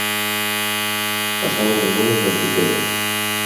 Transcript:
Passar les angúnies d'en Titella.